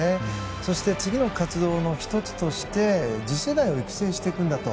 そして次の活動の１つとして次世代を育成していくんだと。